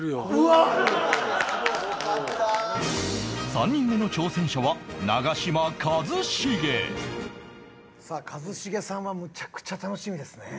３人目の挑戦者は長嶋一茂さあ一茂さんはむちゃくちゃ楽しみですね。